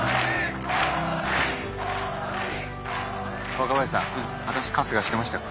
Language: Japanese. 若林さん私春日してましたか？